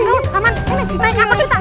rau aman aman